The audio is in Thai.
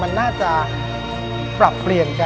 ที่เข้าใจทุกคนทั่วไปนะ